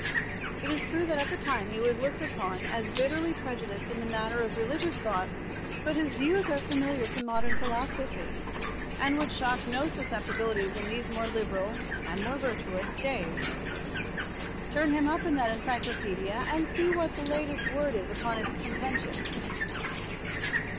It is true that at the time he was looked upon as bitterly prejudiced in the matter of religious thought, but his views are familiar to modern philosophy, and would shock no susceptibilities in these more liberal (and more virtuous) days. Turn him up in that Encyclopedia, and see what the latest word is upon his contentions.